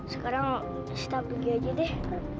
sekarang sita pergi aja deh